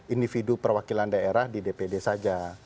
individu perwakilan daerah di dpd saja